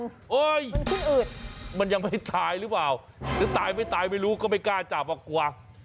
เฮ้ยมันขี้อืดมันยังไม่ตายหรือเปล่าหรือตายไม่ตายไม่รู้ก็ไม่กล้าจับอ่ะกลัว